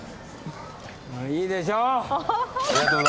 いいでしょう。